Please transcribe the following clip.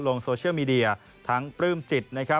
ลงโซเชียลมีเดียทั้งปลื้มจิตนะครับ